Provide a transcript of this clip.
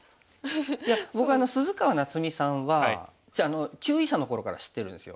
いや僕鈴川七海さんは級位者の頃から知ってるんですよ。